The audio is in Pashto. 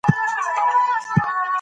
ولي مې داسې بې ځایه کار وکړ؟